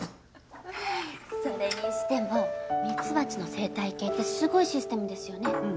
それにしてもミツバチの生態系ってすごいシステムですよね。